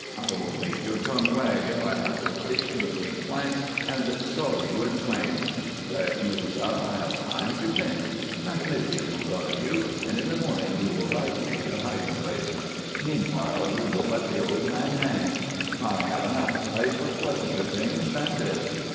I will make your tongue wag if I have to place you between planks and saw you in twain. But you shall have time to think. Maximilien will guard you, and in the morning you will guide me to the hiding place. Meanwhile we will let the old man hang. I have an appetite for pleasanter things than this."